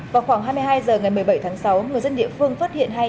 vào khoảng hai mươi hai h ngày một mươi bảy tháng sáu người dân địa phương phát hiện hay